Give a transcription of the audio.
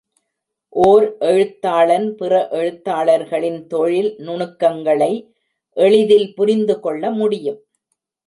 ஓர் எழுத்தாளன் பிற எழுத்தாளர்களின் தொழில் நுணுக்கங்களை எளிதில் புரிந்துகொள்ள முடியும்.